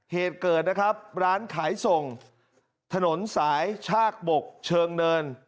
เหตุเกิดนะครับร้านขายส่งถนนสายชากบกเชิงเนิน